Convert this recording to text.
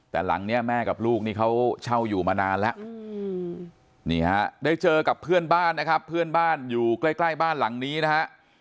แต่หลังนี้แม่กับลูกนี่เขาเช่าอยู่มานานแล้วนี่ฮะได้เจอกับเพื่อนบ้านนะครับเพื่อนบ้านอยู่ใกล้บ้านหลังนี้นะฮะ